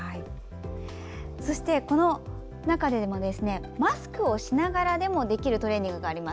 そして、この中でもマスクをしながらでもできるトレーニングがあります。